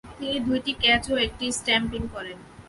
তিনি দুইটি ক্যাচ ও একটি স্ট্যাম্পিং করেন।